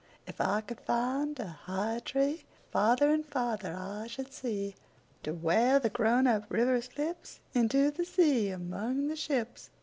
If I could find a higher treeFarther and farther I should see, To where the grown up river slipsInto the sea among the ships.